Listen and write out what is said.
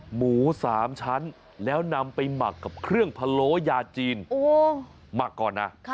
หมู๓ชั้นแล้วนำไปหมักกับเครื่องพะโล้ยาจีนหมักก่อนนะ